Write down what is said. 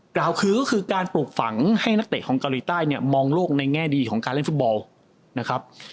กล่าวคือก็คือการปลูกฝังให้นักเตะของเกาหลีใต้เนี่ยมองโลกในแง่ดีของการเล่นฟุตบอลนะครับ